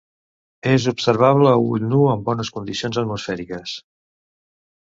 És observable a ull nu en bones condicions atmosfèriques.